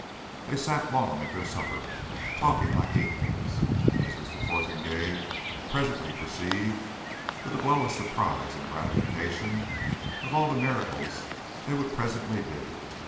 They sat long at their supper, talking like equals, as Mr. Fotheringay presently perceived, with a glow of surprise and gratification, of all the miracles they would presently do.